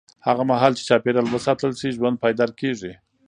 هغه مهال چې چاپېریال وساتل شي، ژوند پایدار کېږي.